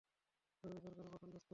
জরুরী দরকারে, button press করবে।